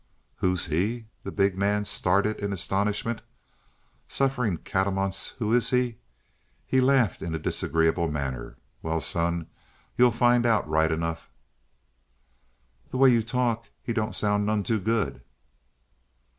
"Who's he?" The big man started in astonishment. "Sufferin' catamounts! Who is he?" He laughed in a disagreeable manner. "Well, son, you'll find out, right enough!" "The way you talk, he don't sound none too good."